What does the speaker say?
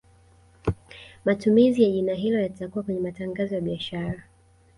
Matumizi ya jina hilo yatakuwa kwenye matangazo ya biashara